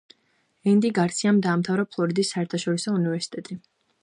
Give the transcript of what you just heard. ენდი გარსიამ დაამთავრა ფლორიდის საერთაშორისო უნივერსიტეტი.